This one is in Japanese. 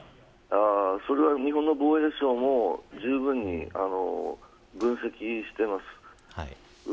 そこは日本の防衛省もじゅうぶんに分析しています。